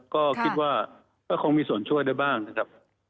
ก็คิดว่าก็คงมีส่วนช่วยได้บ้างนะครับ